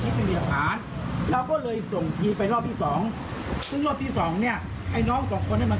ไอ้แคทเนี่ยมันก็ยังไม่รู้ว่ามันต้องทำอะไร